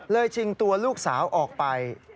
ชิงตัวลูกสาวออกไป